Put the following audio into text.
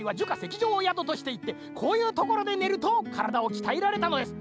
きじょうをやどとしていてこういうところでねるとからだをきたえられたのです。